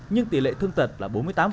nhưng tỷ lệ thương tật là bốn mươi tám